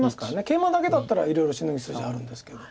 ケイマだけだったらいろいろシノぐ筋あるんですけど。